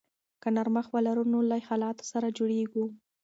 که نرمښت ولرو نو له حالاتو سره جوړیږو.